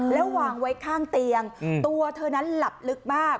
แล้ววางไว้ข้างเตียงตัวเธอนั้นหลับลึกมาก